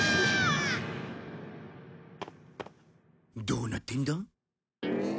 どうなってんだ？